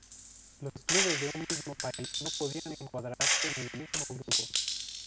Los clubes de un mismo país no podían encuadrarse en el mismo grupo.